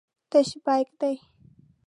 تش بیک دی.